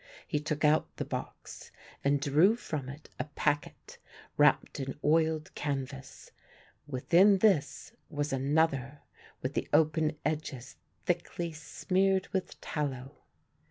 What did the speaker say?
He took out the box and drew from it a packet wrapped in oiled canvas; within this was another with the open edges thickly smeared with tallow.